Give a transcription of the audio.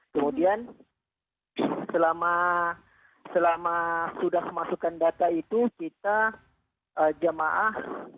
kemudian selama sudah memasukkan data itu kita jemaah